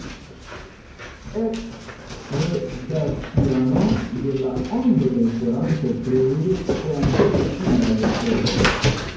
Eks-redakciano de La Ondo de Esperanto pri komputilaj aferoj.